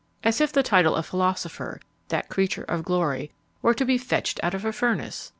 As if the title of philosopher, that creature of glory, were to be fetched out of a furnace!